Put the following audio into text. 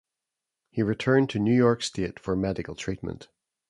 He returned to New York State for medical treatment.